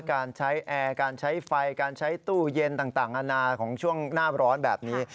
การใช้แอร์การใช้ไฟการใช้ตู้เย็นต่างนานาของช่วงหน้าร้อนแบบนี้